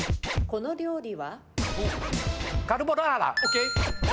この料理は？